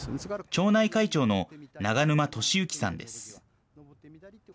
町内会長の長沼俊幸さんです。